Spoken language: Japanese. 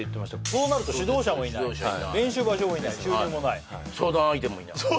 そうなると指導者もいない練習場所もない収入もない「相談相手もいない」